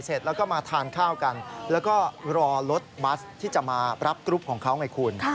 เสร็จแล้วก็มาทานข้าวกันแล้วก็รอรถบัสที่จะมารับกรุ๊ปของเขาไงคุณ